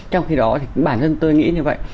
trong khi đó thì bản thân tôi nghĩ như vậy